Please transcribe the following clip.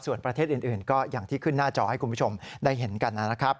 ส่วนประเทศอื่นก็อย่างที่ขึ้นหน้าจอให้คุณผู้ชมได้เห็นกันนะครับ